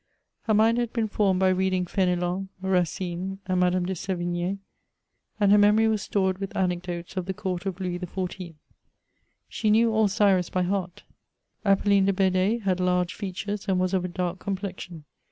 Her mind had been formed by reading F^n^on, Racine and Madame^ de Sevign^ ; and her memory was stored with anecdotes of the court of Louis XIV. She knew all Cyrus by heart. Apolline de Bed^e had large features, and was of a dark complexion.